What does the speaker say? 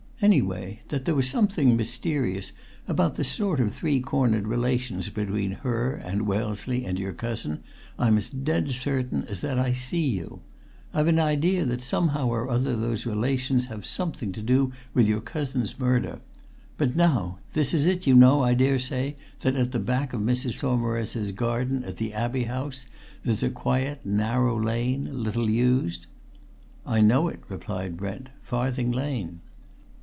Anyway, that there was something mysterious about the sort of three cornered relations between her and Wellesley and your cousin I'm as dead certain as that I see you! I've an idea too that somehow or other those relations have something to do with your cousin's murder. But now, this is it you know, I dare say, that at the back of Mrs. Saumarez's garden at the Abbey House, there's a quiet, narrow lane, little used?" "I know it," replied Brent. "Farthing Lane."